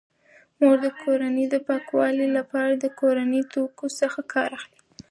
مور د کورنۍ د پاکوالي لپاره د کورني توکو څخه کار اخلي.